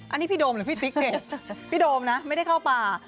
อันนี้พี่โดมหรือพี่ติ๊กเนี่ยพี่โดมนะไม่ได้เข้าป่า